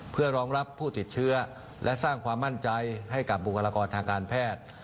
เพื่อรองรับผู้ติดเชื้อและสร้างความมั่นใจให้กับบุคลากรทางการแพทย์